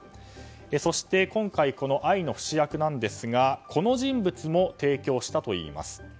そして、今回この愛の不死薬なんですがこの人物も提供したといいます。